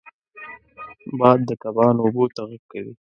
باد د کبانو اوبو ته غږ کوي